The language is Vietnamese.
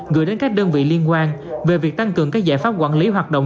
gửi đến các đơn vị liên quan về việc tăng cường các giải pháp quản lý hoạt động